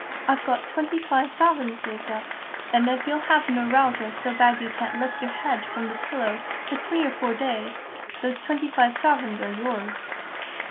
I've got twenty five sovereigns saved up, and if you'll have neuralgia so bad you can't lift your head from the pillow for three or four days, those twenty five sovereigns are yours."